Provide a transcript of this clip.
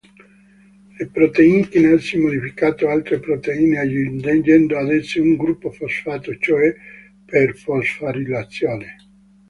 Le protein-chinasi modificano altre proteine aggiungendo ad esse un gruppo fosfato, cioè per fosforilazione.